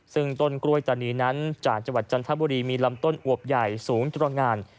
ซึ่งต้นกล้วยตานีนั้นจากจังหวัดจันทบุรีมีลำต้นอวบใหญ่สูงตรงาน